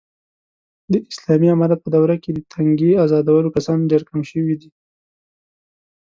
د اسالامي امارت په دوره کې، د تنگې ازادولو کسان ډېر کم شوي دي.